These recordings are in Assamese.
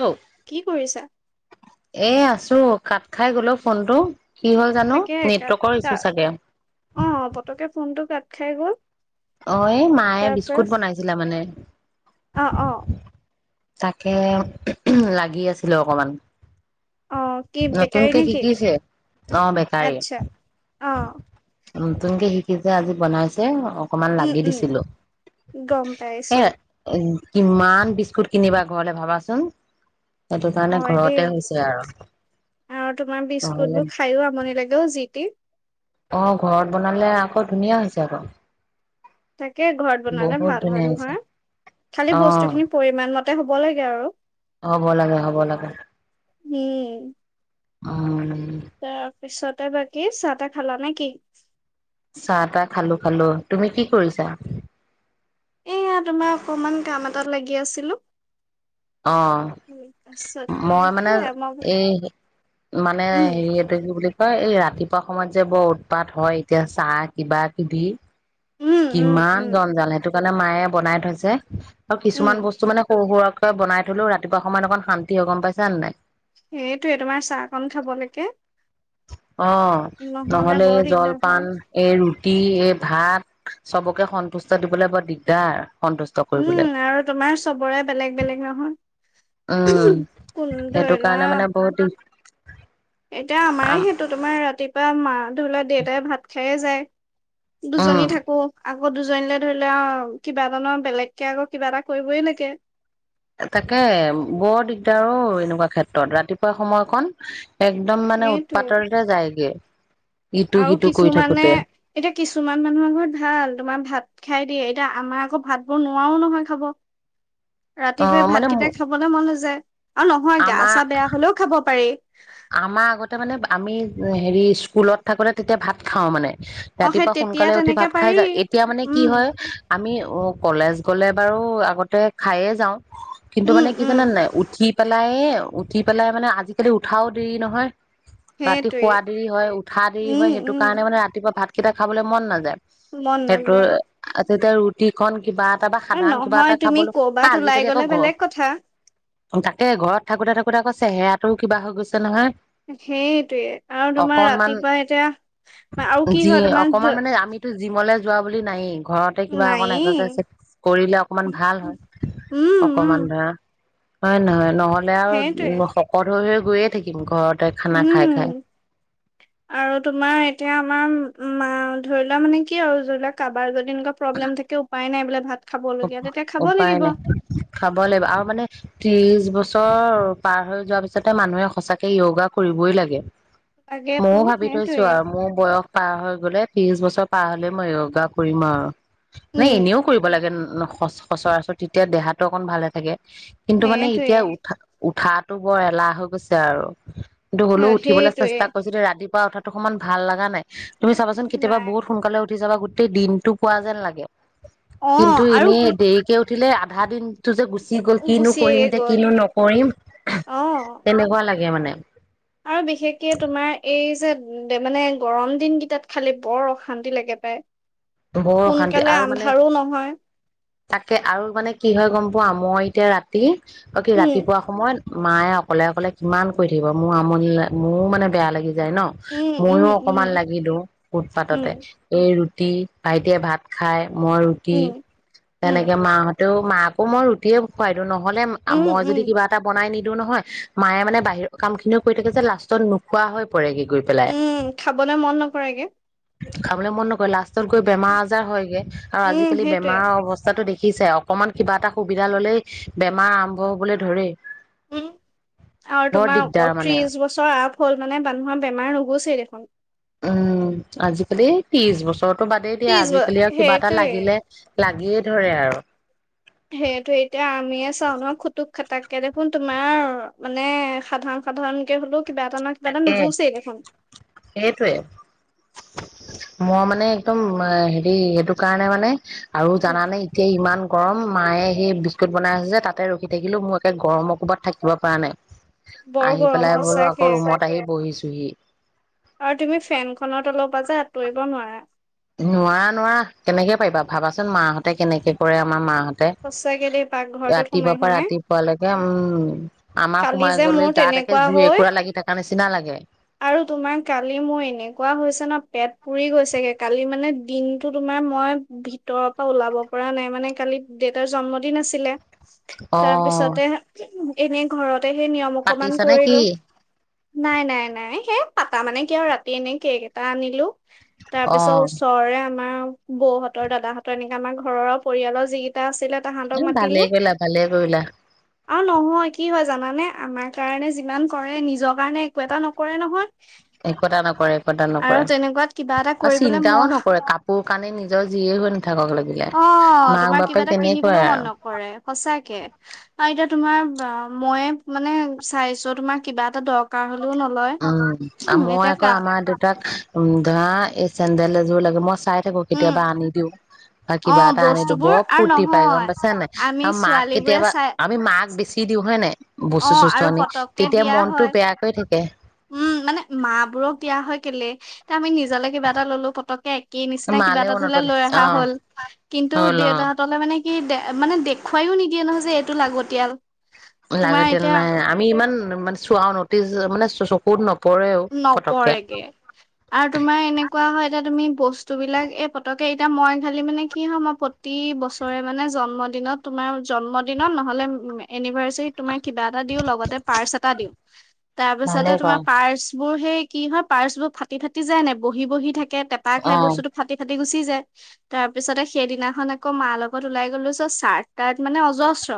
হেল্ল' কি কৰিছা? এ আছোঁ। তোৰ কাট খাই গ'ল অ ফোনটো কি হ'ল জানো, তাকে কাট নেটৱৰ্কৰ কা ইচ্যু ছাগে অ' পতককে ফোনটো কাট খাই গ'ল। অ এই মায়ে তাৰ পৰা বিস্কুট বনাইছিলে মানে অ' অ' তাকে, লাগি আছিলোঁ অকমান। অ' কি বেকাৰী নতুনকে নে কি? শিকিছে। অ বেকাৰী আচ্ছা অ' নতুনকে শিকিছে, আজি বনাইছে অ অকমান উম লাগি উম দিছিলোঁ। গম এ পাইছো উম কিমান বিস্কুট কিনিবা ঘৰলে ভাবাছোন? সেইটো কাৰণে হয় দেই ঘৰতে হৈছে আৰু আৰু তোমাৰ বিস্কুট নহলে বোৰ খাইও আমনি লাগে অ কেই [unintelligible] অ ঘৰত বনালে আকৌ ধুনীয়া হৈছে, আকৌ তাকে, ঘৰত বনালে বহুত ভাল হয় ধুনীয়া হৈছে নহয়। খালি অ বস্তু খিনি পৰিমানত তে হ'ব লাগে আৰু হ'ব লাগে, হ'ব লাগে। উম অ উম তাৰ পিছতে বাকী চাহ-তাহ খালা নে কি? চাহ-তাহ খালোঁ খালোঁ। তুমি কি কৰিছা? এয়া, তোমাৰ অকমান কাম এটাত লাগি আছিলোঁ। অ মই মানে সেয়া মই এই মানে উম হেৰি এইটো কি বুলি কয় এই ৰাতি ৰাতিপুৱা সময়ত যে বৰ উৎপাত হয় এতিয়া চাহ কিবা-কিবি উম উম কিমান উম। জঞ্জাল সেইটো কাৰণে মে মায়ে বনাই থৈছে। আৰু উম, কিছুমান বস্তু মানে সৰু সুৰা বনাই থলো ৰাতিপুৱা সময়ত অকণ শান্তি হৈ গম পাইছে নে নাই? সেইটয়ে তোমাৰ চাহকণ খাবলৈকে অ নহ'লে বৰ এই দিগদাৰ জলপান হয়। এই ৰুট এই ভাত চবকে সন্তুষ্ট দিবলৈ বৰ দিগদাৰ সন্তুষ্ট কৰিবলৈ উম আৰু তোমাৰ চবৰে বেলেগ বেলেগ নহয়। উম কোন ধৰি সেইটো লোৱা কাৰণে মানে বহুত দি এতিয়া আমাৰে সেইটো তোমাৰ ৰাতিপুৱা মা ধৰিলত দেউতাই ভাত খায়ে যায়। উম দুজনী থাকো আগ আকৌ দুজনীলৈ ধৰিলেও অ কিবা এটা ন বেলেগকে আকৌ কিবা এটা কৰিবই লাগে। তাকে বৰ দিগদাৰো এনেকুৱা ক্ষেত্ৰত ৰাতিপুৱা সময়ক একদম মানে সেইটোৱে উৎপাতৰতে যায়গে ইটো আৰু সিটো কৰি কিছুমানে থাকোতে এতিয়া কিছুমান মানুহৰ ঘৰত ভাল তোমাৰ ভাত খাই দিয়ে এতিয়া আমাৰ আকৌ ভাত বোৰ নোোৱাও নহয় খাব। অ ৰাতিপুৱাই মানে ভাতকেইটাই খাবলৈ মন নযায়। আৰু নহয় গা আমাৰ চা বেয়া হলেও খাব পাৰি আমাৰ আগতে মানে আমি হেৰি স্কুলত থাকোতে তেতিয়া ভাত খাওঁ মানে। অ সেই ৰাতিপুৱা তেতিয়া সোনকালে উঠি তেনেকে ভাত খাই পাৰি যা এতিয়া মানে কি উম হয় আমি অ কলেজ গলে। বাৰু আগতে খায়ে যাওঁ। কিন্তু উম মানে কি উম জানে নাই উঠি পেলাই- উঠি পেলাই মানে আজিকালি ঠাও দেৰি নহয়। ৰাতি সেইটোৱে শুৱা দেৰি হয় উঠা দেৰি উম হয় উম সেইটো কাৰণে মানে ৰাতিপুৱা ভাত কেইটা খাবলৈ মন নাযায়। মন সেইটো নাযায়। তেতিয়া ৰুটি খন কিবা এটা বা অ সাধাৰণ কিবা এটা নহয় তুমি খাবলৈ কৰবাত আজিকালি ওলাই আকৌ গলে ঘৰ বেলেগ কথা তাকে ঘৰত থাকোতে থাকোতে আকৌ চেহেৰাটো কিবা হৈ গৈছে নহয়। সেইটোৱে আৰু তোমাৰ অকনমান ৰাতিপুৱা এতিয়া আৰু কি হয় তোমাৰ জিমলৈ যোৱা বুলি নায়েই ঘৰতে কিবা অকন নাইয়ে এক্সাৰচাইজ কৰিলে অকমান ভাল হয় উম উম অকমান ধৰা হয়নে নহয় নহ'লে আৰু সেইটোৱে শকত হৈ হৈ গৈয়ে থাকিম ঘৰত উম আৰু তোমাৰ এতিয়া আমাৰ মা ধৰি লোৱা মানে কি আৰু ধৰিলোৱা কাৰবাৰ যদি তেনেকুৱা প্ৰবলেম থাকে উপায় নাইবোলে উপায় নাই খাব লাগিব আৰু মানে ত্ৰিশ বছৰ ছৰ পাৰ হৈ যোৱাৰ পিছতে মানুহে সঁচাকে য়োগা কৰিবই লাগে লাগেতো ময়ো ভাবি থৈছো সেইটোৱে আৰু মোৰ বয়স পাৰ হৈ গ'লে ত্ৰিশ বছৰ পাৰ হলে মই য়োগা কৰিম আৰু নাই উম এনেও কৰিব লাগে সচৰাচৰ তেতিয়া দেহাটো অকণ ভালে থাকে কিন্তু মানে সেইটোৱে এতিয়া উঠা উঠাতো বৰ এলাহ হৈ গৈছে আৰু এ, হ'লেও উঠিবলৈ সেইটোৱে চেষ্টা কৰিছো ৰাতিপুৱা টো অকমান ভাল লগা নাই তুমি চাবাচোন কেতিয়াবা নাই বহুত সোনকালে উঠি চাবা গোটেই দিনটো পোৱা যেন লাগে অ টো আৰু এনেই কি দেৰিকে উঠিলে আধা দিনটো যে গুচি গুচি গ'ল কিনো গুচিয়ে কৰিম এতিয়া গ'ল কিনো নকৰিম অ তেনেকোৱা লাগে সেয়া মানে আৰু বিশেষকে তোমাৰ এই যে উ মানে গৰম দিন কেইটাত খালি বৰ অশান্তি লাগে পায় বৰ অশান্তি সোনকালে আৰু মানে আন্ধাৰো নহয় তাকে আৰু মানে কি হয় গম পোৱা মই এতিয়া ৰাতি অ কি উম ৰাতিপুৱা সময়ত মায়ে অকলে অকলে কিমান কৰি থাকিব মোৰ আমনি লাগে মোৰো মানে বেয়া লাগি যায় ন উম উম মইয়ো উম অকমান লাগি দিওঁ উম উৎপাততে এই তি ভাইটিয়ে ভাত খায় মই ৰুটি উম উম তেনেকে মা হত ত' মাকো মই ৰুটিয়ে খোৱাই দিও আৰু নহ'লে উম মই যদি উম কিবা এটা বনাই নি নিদিও নহয় মায়ে মানে বাহিৰৰ কাম খিনিও কৰি থাকে যে লাষ্টত নোখোৱা হয় উম খাবলৈ মন নকৰেগে খাবলৈ মন নকৰে লাষ্টত গৈ বেমাৰ আজাৰ হয়গৈ আৰু উম আজিকালি সেইটোৱে বেমাৰ অৱস্থাটো দেখি দেখিছে অকমান কিবা এটা সুবিধা ললেই বেমাৰ আৰম্ভ হবলৈ ধৰে উম আৰু তোমাৰ অ দিগদাৰ মানে ত্ৰিশ বছৰ আগ হ'ল মানে মানুহৰ বেমাৰ নুগুচেই দেখোন উম আজিকালি ত্ৰিশ বছৰত টো বাদেই দিয়া ত্ৰিশ ব আজিকালি আৰু কিবা এটা সেইটোৱে লাগিলে লা লাগিয়ে ধৰে আৰু সেইটোৱে এতিয়া আমিয়ে চাওঁ ন খুটুক খটাক কে দেখোন তোমাৰ মানে সাধাৰণ সাধাৰণ কে হলো কিবা এটা নহয় কিবা এটা তাকে নুগুচেই দেখোন সেইটোৱে মই মানে একদম হেৰি সেইটো কাৰণে মানে আৰু উম জানানে এতিয়া ইমান গৰম মায়ে সেই বিস্কুট বনাই আছে যে তাতে ৰখি থাকিলো মোৰ একে গৰমৰ ক'ৰবাত থাকিব পৰা নাই। বৰ আহি গৰম পেলাই বোলো আকৌ হৈছে ৰুমত আহি বহিছোহি আৰু তুমি ফেনখনত অলপ বজাৰ আঁতৰিব নোৱাৰা নোৱাৰা নোৱাৰা কেনেকে পাৰিবা ভাবাচোন মাহঁতে কেনেকে কৰে আমাৰ মাহঁতে সঁচাকে দেই পাকঘৰটোত ৰাতিপুৱা সোমাই পৰা সোমাই ৰাতিপুৱালৈকে উম আমাৰ কালি সোমাই যে মোৰ গলে গাত একে তেনেকুৱা জুই হৈ একোৰা লাগি থকা নিচিনা লাগে। আৰু তোমাৰ কালি মোৰ এনেকুৱা হৈছে ন পেট পুৰি গৈছেগে কালি মানে দিনতটো তোমাৰ মই ভিতৰৰ পৰা ওলাব পৰা নাই মানে কালি দেউতাৰ জন্মদিন আছিলে। অ তাৰ পিছতে এনে ঘৰত ততে সেই নিয়ম অকমান পাতিছা নে কি কৰিলো। নাই নাই নাই সেই পাতা মানে কিয় ৰাতি এনে কেক এটা আনিলো। তাৰ অ পিছত ওচৰে আমাৰ বৌহঁতৰ দাদাহঁতৰ এনেকে আমাৰ ঘৰৰ পৰিয়ালৰ যি এটা আছিলে। তাহাঁতক এ ভালে মাতিলো কৰিলা ভালে কৰিলা। আৰু নহয় কি হয় জানানে আমাৰ কাৰণে যিমান কৰে নিজৰ কাৰণে একো এটা নকৰে নহয়। একোতা নকৰে একতা আৰু নকৰে তেনেকুৱাত কিবা এটা আৰু কৰিবলৈ চিন্তাও মন নকৰে কাপোৰ কানি নিজৰ যিয়ে হৈ নাথাকক লাগিলে অ মাক তোমাৰ বাপে কিবা কিনিবলৈও মন নকৰে সচাকে আৰু এতিয়া তোমাৰ মইহে মানে চাইছো তোমাৰ কিবা এটা দৰকাৰ হল। উম মই আকৌ আমাৰ দেউতাক। ধা এই চেডেলযোৰ লাগে মস্ত- চাই থাকো উম কেতিয়াবা আনি দিও বা অ কিবা এটা আনি দিও বস্তুবোৰ বৰ আৰু ফূুৰ্তি পাই গম নহয় পাইছ নাই ত আমি মাক ছোৱালী বোৰে কেতিয়াবা চাই আমি মাক বেছি দি দিওঁ হয় নাই। অ বস্তু চস্তু আৰু আনি পতককে তেতিয়া দিয়া মনতটো হয় বেয়াকৈ থাক তে উম মানে ম বোৰক দিয়া হয় কেলে ত আমি নিজে জালে কিবা এটা ললো পতককে একে নিচিনা কিবা মালে এটা মনত ধৰিলে পৰে লৈ অ অহা হ'ল কিন্তু হ'ল অ দেউতাহঁতলে মানে স দে মানে দেখুৱাই নিদিয়ে নহয় যে এইটো যে লাগতিয়াল। তোমাৰ লাগতিয়াল এতিয়া নাই আমি ইমান মানে চুৱও ন মানে চকুত ন- নপৰেগে আৰু তোমাৰ এনেকুৱা হয় এতিয়া তুমি বস্তুবিলাক এই পতকে এতিয়া মই খালি মানে কি হয় মই প্ৰতি বছৰে মানে জন্মদিনত তোমাৰ জন্মদিনত নহ'লে এনিভাৰ্চ তোমাৰ কিবা এটা দিও লগতে পাৰ্চ এটা দিওঁ তাৰ ভালে পিছতে কৰা তোমাৰ পাৰ্চ বোৰ সেই কি হয় পাৰ্চ বোৰ ফাটি-ফাটি যায় নে বহি-বহি থাকে। অ কেটেপাইস্তুটো ফাটি-ফাটি গুছে তি যায় তাৰ পিছতে সেইদিনাখন আকৌ মাৰ লগত ওলাই গলো চাৰ্ট তাৰ মানে অজস্ৰ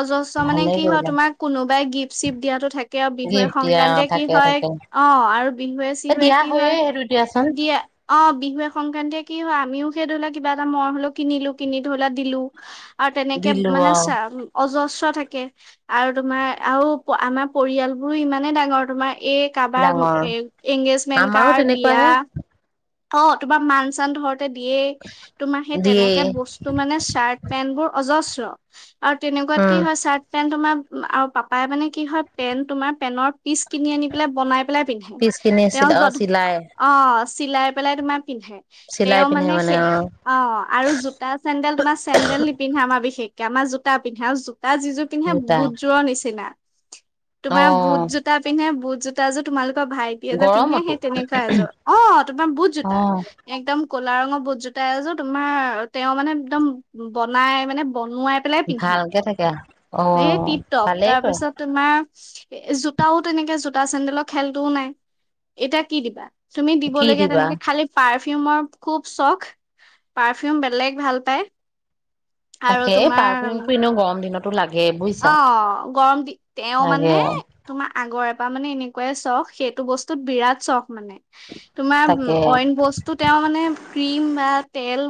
অজস্ৰ মানে ভালে কি হয়? কৰিলা তোমাৰ কোনোবাই গিফ্ট চিপ দিয়াটো থাকে। কিয় বিহুৱে গিফ্ট দিয়া অ সংক্ৰান্তিয়ে কি তাকে হয়? তাকে অ আৰু বিহুৱে এ চিহুৱে দিয়া কি হয়, হয়য়ে সেইটো দিয়াচোন দিয়ে অ বিহুৱে সংক্ৰান্তিয়ে কি হয় আমিও সেই ধৰিলো কিবা এটা মৰম হলেও কিনিলো কিনি ধৰিলো দিলো। আৰু তেনেকে দিলো মানে অ চা অজস থাকে আৰু তোমাৰ আৰু আমাৰ পৰিয়াল বোৰো ইমানে ডাঙৰ তোমাৰ এই কাৰোবাৰ ডাঙৰ এংগেজমেন্ট আমাৰো কাৰ বিয়া তেনেকুৱাহে অ', তোমাৰ মান চান ধৰত দিয়েই তোমাৰ সেই দিয়েই তেনেকে বস্তু মানে চাৰ্ট পেন্ট বোৰ অজস্ৰ [unintelligible] আৰু তেনেকুৱাত কি উম হয় চাৰ্ট পেণ্ট তোমাৰ আৰু পাপ পাপাই মানে কি হয়, পেন তোমাৰ পেনৰ পিচ কিনি আনি পেলাই বনাই পেলাই পিন্ধে। পিচ কিনি তেওঁ চিল অ জধ চিলাই অ চিলাই পেলাই তোমাৰ পিন্ধে। চিলাই তেওঁ পিন্ধে মানে শেষ অ অ', আৰু জোতা চেন্দেল তোমাৰ চেন্দেল নিপিন্ধে আমাৰ বিশেষক জোতা পিন্ধাও জো তাৰ যিযোৰ পিন্ধে, জোতা বুটযোৰৰ নিচিনা। অ তোমাৰ বুট জোতা পিন্ধে বুট জোতাযোৰ তোমালোক ভাইটিয়ে যে পিন্ধে গৰমতো সেই তেনেকুৱা এজোৰ। অ', তোমাৰ বুট অ জোতা একদম ক'লা ৰঙৰ বুট জোতা এযোৰ তোমাৰ তেওঁ মানে একদম বনাই মানে বনোৱাই পেলাই পিন্ধে। ভালকে থাকে অ এই টিপটপ ভালেই তাৰপিছত কৰে তোমাৰ জোতাও তেনেকে জোত ফটা চেণ্ডেলৰ খেলতোও নাই। এতিয়া কি দিবা? তুমি কি দিবলগীয়া দিবা তেনেকে পাৰ্ফিউমৰ খুব চখ। পাৰফিউম বেলেগ ভাল পায়। আৰু তাকে তোমাৰ পাৰফিউম টো এনেও গৰম দিনতো লাগ অ', গৰম দি তেওঁ লাগে মানে তোমাৰ আগৰে পৰা মানে এনে কে চখ সেইটো বস্তুত বিৰাট চখ মানে। তোমাৰ তাকে অইন বস্তু তেওঁ মানে ক্ৰীম বা তেল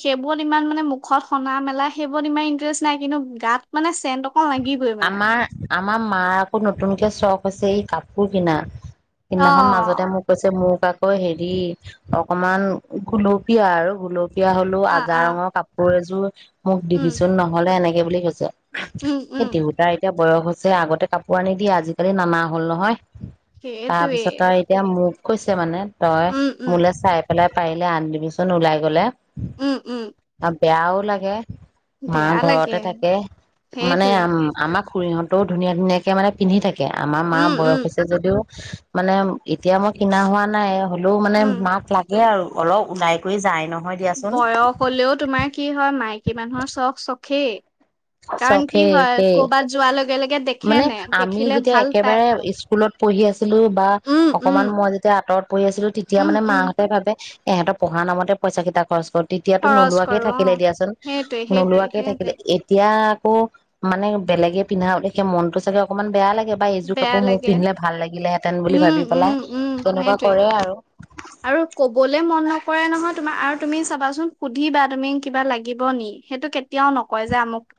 সেইবোৰত ইমান মানে মুখত সনা মেলা সেইবোৰত ইমান ইন্টাৰেষ্ট নাই, কিন্তু গাত মানে চেণ্ট অক আমাৰ, আমাৰ মাৰ আকৌ নতুনকে চখ ছে এই কাপোৰ কিনা। অ সিদনাখন মাজতে মোক কৈছে মোৰ কাক আকৌ হেৰি অকমান গুলপীয়া আৰু গুল এতিয়া হ'লো অ অ আজাৰ ৰঙৰ কাপোৰ এযোৰ মোক উম দিবিচোন ন'হলে এনেকে বুলি কৈছে। উম, উম তাৰ এতিয়া বয়স হৈছে আগতে কাপোৰ আনি দিয়ে আজিকালি নানা হ'ল নহয়। সেইটোৱে তাৰপিছত আৰু এতিয়া মোক কৈছে মানে তই উম উম মোলে চাই পেলাই পাৰিলে আনি দিবিচোন ওলাই গ'লে উম উম বেয়াও লাগে মা বেয়া লাগে ঘৰতে থাকে মানে সেইটোৱে আমাৰ খুড়ীহঁতৰো ধুনীয়া ধুনীয়াকে মানে পিন্ধি থাকে কে আমাৰ মাৰ উম বয়স উম হৈছে যদিও মানে এতিয়া মই কিনা হোৱা নাই হ'লেও মানে উম মাক লাগে আৰু অলপ ওলাই কৰি যায় ন বয়স হ'লেও তোমাৰ কি হয় মাইকী মানুহৰ চখ চ খেই কাৰণ চখে কি হয় একেই কৰবাত যোৱাৰ লগে লগে দেখে মানে নে আমি দেখিলে যেতিয়া ভাল একেবাৰে পায় স্কুলত পঢ়ি আছিলো বা উম, উম, অকনমান মই যেতিয়া আঁতৰত পঢ়ি আছিলো তেতিয়া উম, মানে উম, মাহঁতে ভাবে এহঁতৰ পঢ়া নামতে পইচা কেইটা খৰচ কৰ তেতিয়াতো খৰচ নোলোৱাকে কৰো থাকিলে অ'। দিয়াচোন সেইটোৱে সেইটোৱে নোলোৱাকে থাকিলে সেইটোৱে এয়া আকৌ মানে বেলেগে পিন্ধাও দেখে মনটো চাগে অকনমান বেয়া লাগে এইবাৰ এইযোৰ বেয়া কাপোৰ মোৰ লাগে। পিন্ধিলে ভাল লাগিলেহেঁতেন বুলি উম, ভাবি উম, পেলাই উম, তেনেকুৱা সেইটোৱে। কৰে আৰু আৰু কবলে মন নকৰে নহয় তোমাৰ আৰু তুমি চাবাচোন সুধিবা তুমি কিবা লাগিব নি সেইটো কেতিয়াও নক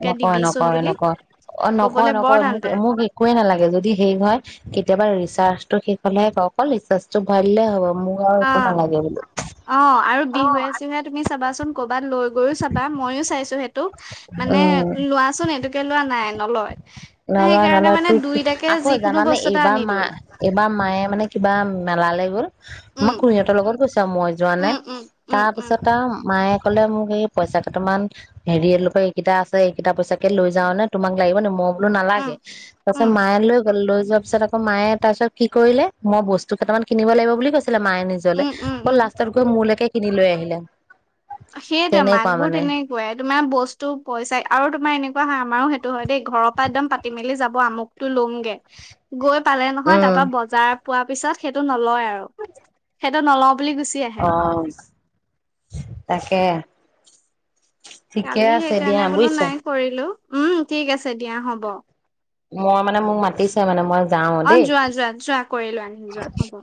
নকয় নকয় নকয় অ কবলে নকয় বৰ নকয় টান মোক পায়। মোক একোৱে নালাগে যদি সেৰি হয় কেতিয়াবা ৰেচ ৰিচাৰ্জটো শেষ হলেহে কয় অকল ৰিচাৰ্জটো ভৰাই দিলে হ'ব মোক আৰু অ একো নালাগে বুলি অ আৰু বিহুৱে চিহুৱে তুমি চাবাচোন কৰ'বাত লৈ গৈও চাবা মইও চাইছো সেইটো মানে উম লোৱাচোন এইটো লোৱা নাই নলয় নলয় সেইকাৰণে নলয় মানে তোৰ দুইটাকে আকৌ যিকোনো জানানে বস্তু এটা এইবাৰ আনি মা দিওঁ। এইবাৰ মায়ে মানে কিবা মেলালে গ'ল আমাক উম, খুৰীহঁতৰ লগত গৈছে আৰু মই যোৱা নাই উম, উম, উম, তাৰ উম, পিছত আৰু মায়ে কলে মোক এই পইচা কেইটামান হেৰি লোকে এইকেইটা আছে এইকেইটা পইচাকে লৈ যাও নে তোমাক লাগিব নে মই উম, নালাগে তাৰ পাছত উম, মায়ে লৈ লৈ যোৱা পিছত আকৌ মায়ে তাৰ পিছত কি কৰিলে মই বস্তু কেইটামান কিনিব লাগিব বুলি কৈছিলো ছিল মায়ে নিজলে উম, উম, অ উম। লাষ্টত গৈ মোৰলৈকে কিনি লৈ আহিলে সেইটো মাক তেনেকুৱা বোৰ মানে তেনেকুৱাই তোমাৰ বস্তু পইচা আৰু তোমাৰ এনেকুৱা হয় আমাৰো সেই হয় দেই ঘৰৰ পৰা এক্দম পাতি মেলি যাব আমুকতটো লমগে গৈ পালে নহয় তাৰ উম পৰাা বজাৰ পোৱা পিছত সেইটো নলয় আৰু সেইটো নল অ তাকে ঠিকে কালি আছে দিয়া সেইকাৰণে বোলো বুজিছা নাই কৰিলো। উম ঠিক আছে দিয়া হ'ব। মই মানে মোক মাতিছে মানে মই যাওঁ অ দেই। যোৱা যোৱা যোৱা কৰিলো আনিলো যোৱা হ'ব।